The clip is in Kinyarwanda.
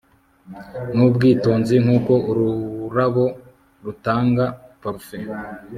Nubwitonzi nkuko ururabo rutanga parufe